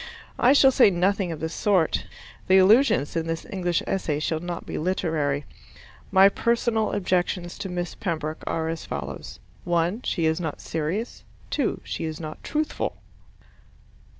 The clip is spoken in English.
I shall say nothing of the sort. The allusions in this English Essay shall not be literary. My personal objections to Miss Pembroke are as follows: (1) She is not serious. (2) She is not truthful.